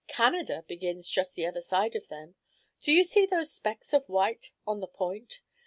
"Canada begins just the other side of them. Do you see those specks of white on the point?